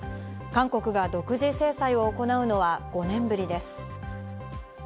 韓国が独自制裁を行うのは５年ぶりです。